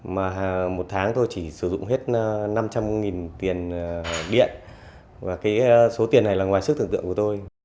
mà một tháng tôi chỉ sử dụng hết năm trăm linh tiền điện và cái số tiền này là ngoài sức thưởng tượng của tôi